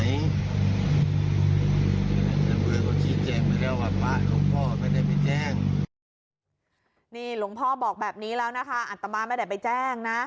นี่หลวงพ่อบอกแบบนี้แล้วนะคะอัตมาไม่ได้ไปแจ้งนะ